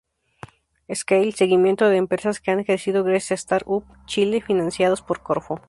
Scale: Seguimiento de empresas que han crecido gracias a Start-Up Chile, financiadas por Corfo